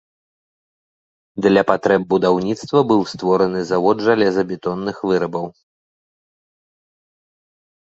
Для патрэб будаўніцтва быў створаны завод жалезабетонных вырабаў.